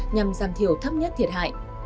nhằm giảm thiểu thấp nhất thiệt hại